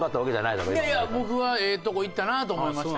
いやいや僕はええとこいったなと思いました。